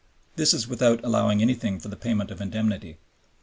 This is without allowing anything for the payment of the indemnity.